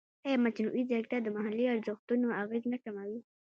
ایا مصنوعي ځیرکتیا د محلي ارزښتونو اغېز نه کموي؟